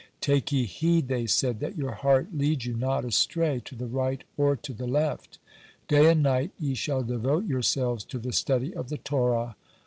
'Take ye heed,' they said, 'that your heart lead you not astray to the right or to the left. Day and night ye shall devote yourselves to the study of the Torah.'